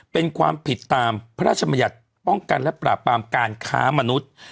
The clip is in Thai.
เป็นความผิดตามพระราชมัญญัติป้องกันและปราบปรามการค้ามนุษย์